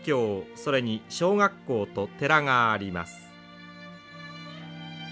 それに小学校と寺があります。